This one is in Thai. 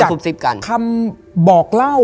ทำบ่อกเล่า